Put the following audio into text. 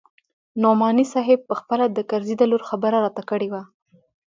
نعماني صاحب پخپله د کرزي د لور خبره راته کړې وه.